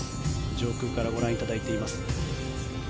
上空からご覧いただいています。